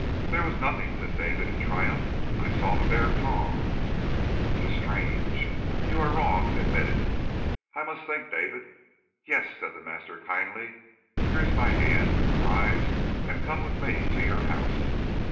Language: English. "There was nothing," said David in triumph. "I saw the bare palm." "It is strange." "You are wrong. Admit it." "I must think, David." "Yes," said the master kindly. "Here is my hand. Rise, and come with me to your house."